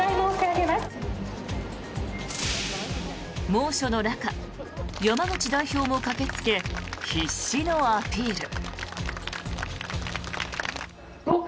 猛暑の中、山口代表も駆けつけ必死のアピール。